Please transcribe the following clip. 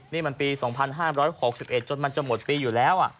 นี่มันปี๒๕๖๑จนมันจะหมดปีอยู่แล้ว